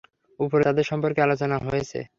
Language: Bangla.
উপরে তাদের সম্পর্কে আলোচনা হয়েছে।